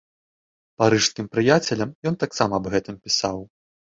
Парыжскім прыяцелям ён таксама аб гэтым пісаў.